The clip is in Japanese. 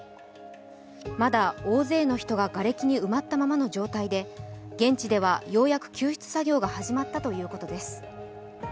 まだ大勢の人ががれきに埋まったままの状態で、現地ではようやく救出作業が始まったということです